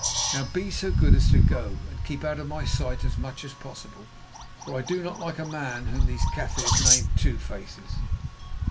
Now be so good as to go, and to keep out of my sight as much as possible, for I do not like a man whom these Kaffirs name 'Two faces.